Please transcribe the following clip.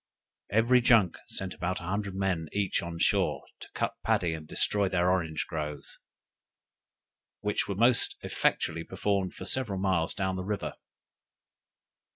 Every junk sent about a hundred men each on shore, to cut paddy, and destroy their orange groves, which was most effectually performed for several miles down the river.